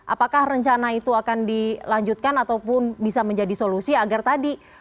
apakah rencana itu akan dilanjutkan ataupun bisa menjadi solusi agar tadi